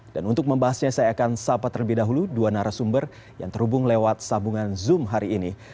dan untuk membahasnya saya akan sapa terlebih dahulu dua narasumber yang terhubung lewat sambungan zoom hari ini